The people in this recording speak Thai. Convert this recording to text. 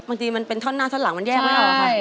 บางทีมันเป็นท่อนหน้าท่อนหลังมันแยกไม่ออกค่ะ